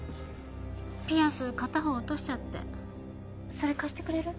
ピアス片方落としちゃってそれ貸してくれる？